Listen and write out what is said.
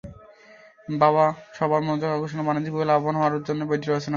বা সবার মনযোগ আকর্ষণ ও বাণিজ্যিকভাবে লাভবান হওয়ার জন্যই বইটি রচনা করেছেন।